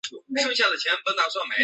特鲁莱拉巴尔特。